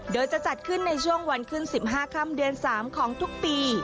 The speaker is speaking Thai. โดยจะจัดขึ้นในช่วงวันขึ้น๑๕ค่ำเดือน๓ของทุกปี